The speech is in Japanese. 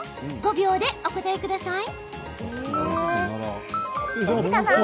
５秒でお答えください。